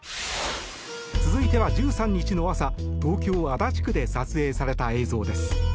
続いては１３日の朝東京・足立区で撮影された映像です。